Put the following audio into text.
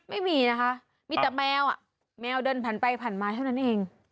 ไม่มีนะคะมีแต่แมวอ่ะแมวเดินผ่านไปผ่านมาเท่านั้นเอง